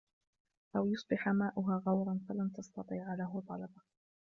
أو يصبح ماؤها غورا فلن تستطيع له طلبا